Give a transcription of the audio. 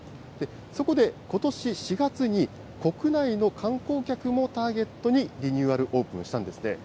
そこでことし４月に、国内の観光客もターゲットにリニューアルオープンしたんですね。